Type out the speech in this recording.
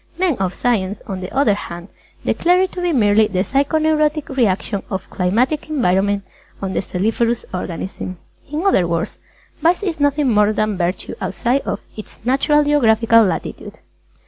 Men of Science, on the other hand, declare it to be merely the psycho neurotic reaction of climatic environment on the celliferous organism. In other words, Vice is nothing more than Virtue outside of its natural geographical latitude.